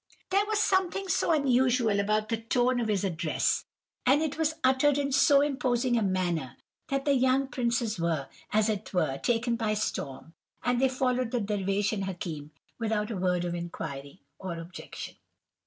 "There was something so unusual about the tone of this address, and it was uttered in so imposing a manner, that the young princes were, as it were, taken by storm, and they followed the Dervish and Hakim, without a word of inquiry or objection.